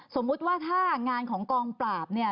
สมมุติว่าถ้างานของกองปราบเนี่ย